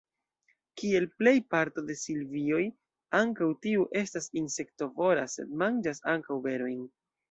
Kiel plej parto de silvioj, ankaŭ tiu estas insektovora, sed manĝas ankaŭ berojn.